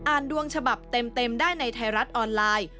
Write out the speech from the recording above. ดวงฉบับเต็มได้ในไทยรัฐออนไลน์